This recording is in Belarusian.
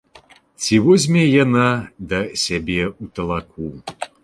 Ці возьме яна да сябе ў талаку?